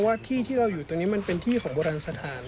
ว่าที่ที่เราอยู่ตรงนี้มันเป็นที่ของโบราณสถาน